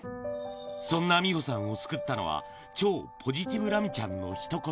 そんな美保さんを救ったのは、超ポジティブラミちゃんのひと言。